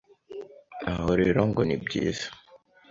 Aha rero ngo ni byiza